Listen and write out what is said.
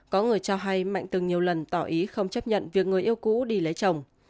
có người cho hay mạnh từng nhiều lần tỏ ý không chấp nhận việc người yêu cũ đi lấy chồng